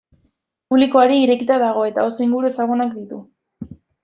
Publikoari irekita dago eta oso inguru ezagunak ditu.